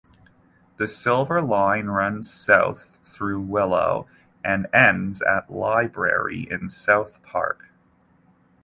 The Silver Line runs south through Willow and ends at Library in South Park.